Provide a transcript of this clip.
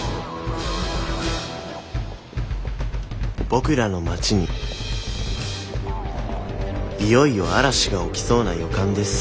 僕らの町にいよいよ嵐が起きそうな予感です